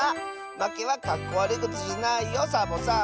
まけはかっこわるいことじゃないよサボさん。